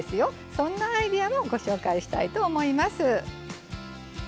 そんなアイデアをご紹介したいと思います。